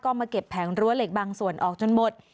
ก็มาเก็บแผงรั้วเหล็กบางส่วนออกจนหมด